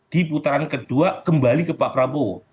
di putaran kedua kembali ke pak prabowo